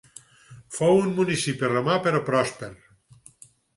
Fou un municipi romà però pròsper.